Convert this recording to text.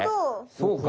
そうか？